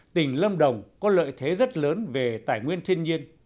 tỉnh lâm đồng có lợi thế rất lớn về tài nguyên thiên nhiên